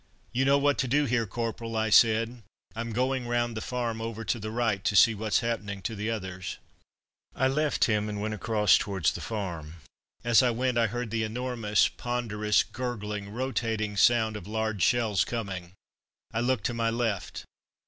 "You know what to do here, Corporal?" I said. "I am going round the farm over to the right to see what's happened to the others." I left him, and went across towards the farm. As I went I heard the enormous ponderous, gurgling, rotating sound of large shells coming. I looked to my left.